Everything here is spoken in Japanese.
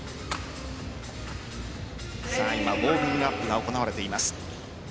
今、ウォーミングアップが行われています。